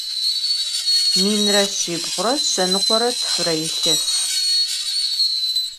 Minre şsiblre şsenıkhore tfıre yilhes.